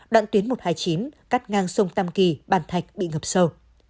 đoạn tuyến một trăm hai mươi chín cắt ngang sông tam kỳ bàn thạch bị ngập sâu